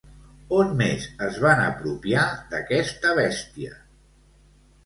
On més es van apropiar d'aquesta bèstia?